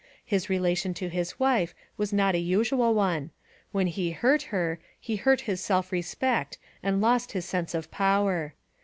His relation to his wife was not a usual one ; when he hurt her, he hurt his self respect and lost his sense of power.